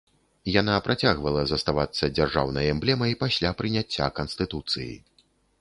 Яна працягвала заставацца дзяржаўнай эмблемай пасля прыняцця канстытуцыі.